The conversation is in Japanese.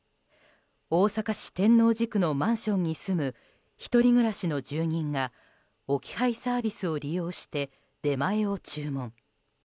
大阪市天王寺区のマンションに住む１人暮らしの住人が置き配サービスを利用して出前を注文。